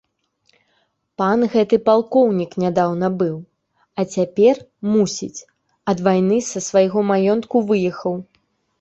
Пан гэты палкоўнік нядаўна быў, а цяпер, мусіць, ад вайны з свайго маёнтка выехаў.